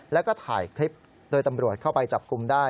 แล้วก็ถ่ายคลิปโดยตำรวจเข้าไปจับกลุ่มได้